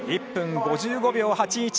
１分５５秒８１。